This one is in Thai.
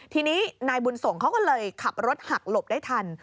ทีนี้นายบุญส่งเขาก็เลยขับรถหักหลบได้ทัน